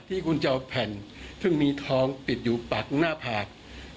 ที่คุณจะเอาแผ่นซึ่งมีทองปิดอยู่ปากหน้าผาก